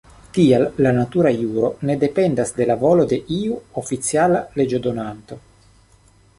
Tial la natura juro ne dependas de la volo de iu oficiala leĝodonanto.